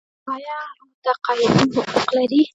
آیا متقاعدین حقوق لري؟